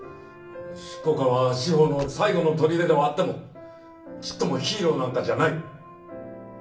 執行官は司法の最後の砦ではあってもちっともヒーローなんかじゃない。